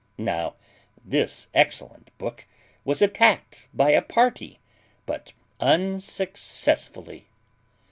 Now, this excellent book was attacked by a party, but unsuccessfully."